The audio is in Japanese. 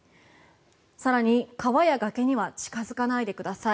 更に川や崖には近付かないでください。